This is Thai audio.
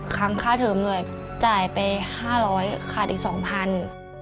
ครั้งค่าเทอมด้วยจ่ายไป๕๐๐บาทขาดอีก๒๐๐๐บาท